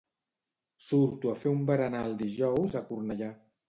Surto a fer un berenar el dijous a Cornellà.